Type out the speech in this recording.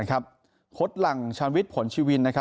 โค้ชหลังฆานวิทผลชีวิน